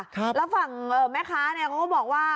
แล้วฝั่งแม่คะก็บอกว่า